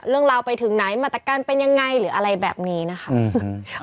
เรื่องราวไปถึงไหนมาตรการเป็นยังไงหรืออะไรแบบนี้นะคะอืม